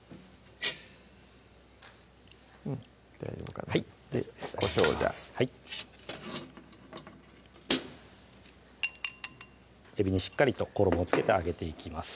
大丈夫かなこしょうをじゃあはいえびにしっかりと衣を付けて揚げていきます